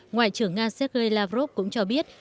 ngoại trưởng nga sergei lavrov cũng cho biết